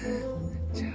じゃあ